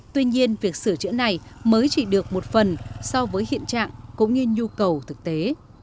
tuy nhiên việc sửa chữa này mới chỉ được một phần so với hiện trạng cũng như nhu cầu thực tế